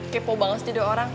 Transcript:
kepo banget sih dia orang